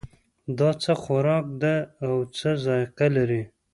دا څه خوراک ده او څه ذائقه لري